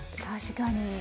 確かに。